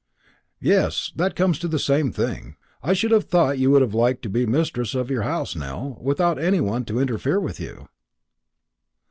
"Yes; that comes to the same thing. I should have thought you would have liked to be mistress of your house, Nell, without any one to interfere with you."